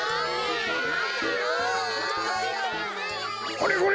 これこれ！